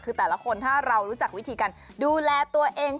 คือแต่ละคนถ้าเรารู้จักวิธีการดูแลตัวเอง